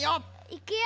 いくよ！